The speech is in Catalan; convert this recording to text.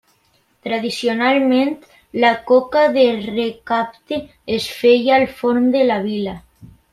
Tradicionalment, la coca de recapte es feia al forn de la vila.